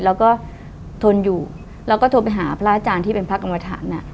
แล้วก็ทนอยู่แล้วก็โทรไปหาพระอาจารย์ที่เป็นพระกรรมฐาน